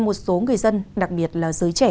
một số người dân đặc biệt là giới trẻ